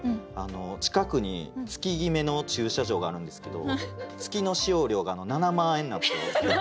近くに月ぎめの駐車場があるんですけど月の使用料が７万円なんですよ。